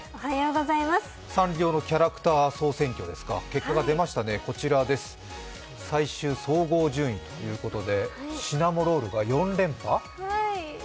サンリオのキャラクター総選挙、最終総合順位ということで、シナモロールが４連覇。